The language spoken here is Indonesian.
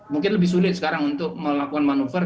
mungkin lebih sulit sekarang untuk melakukan manuver